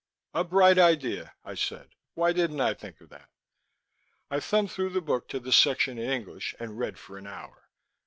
"A bright idea," I said. "Why didn't I think of that?" I thumbed through the book to the section in English and read for an hour.